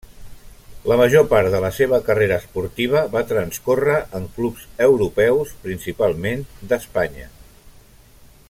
La major part de la seva carrera esportiva va transcórrer en clubs europeus, principalment d'Espanya.